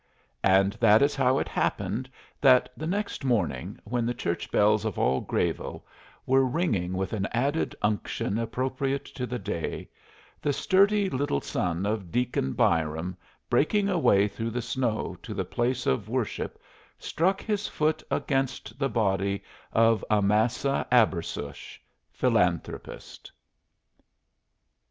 And that is how it happened that the next morning, when the church bells of all Grayville were ringing with an added unction appropriate to the day, the sturdy little son of Deacon Byram, breaking a way through the snow to the place of worship, struck his foot against the body of Amasa Abersush, philanthropist.